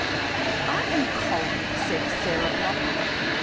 "I am cold," said Sarah Block.